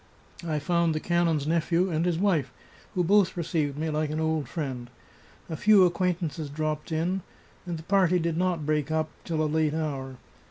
I found the canon's nephew, and his wife, who both received me like an old friend. A few acquaintances dropped in, and the party did not break up till a late hour.